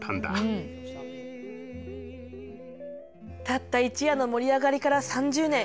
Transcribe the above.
たった一夜の盛り上がりから３０年。